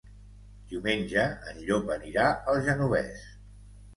Diumenge en Llop anirà al Genovés.